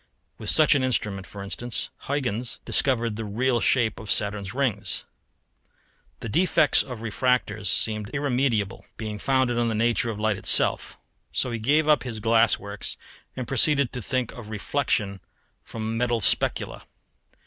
With such an instrument, for instance, Huyghens discovered the real shape of Saturn's ring. The defects of refractors seemed irremediable, being founded in the nature of light itself. So he gave up his "glass works"; and proceeded to think of reflexion from metal specula.